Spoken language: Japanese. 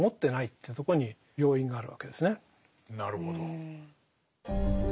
なるほど。